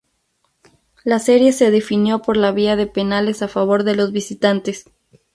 La serie se definió por la vía de penales a favor de los visitantes.